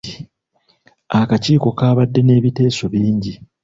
Akakiiko kaabadde n'ebiteeso bingi.